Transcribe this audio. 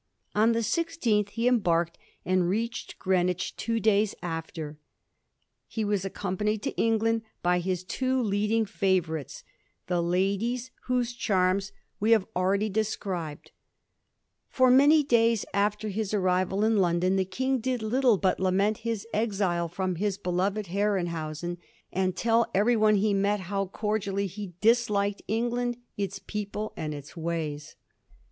On the 16th he embarked, and reached Greenwich two days after* He was accompanied to England by his two leading favourites — the ladies whose charms we have already Digiti zed by Google 76 A HISTORY OF THE FOUR GEORGES. ch. iy. described. For many days after his arrival in London the King did little but lament his exile from his beloved Herrenhausen, and tell everyone he met how <;ordiaIly he disliked England, its people, and its ways.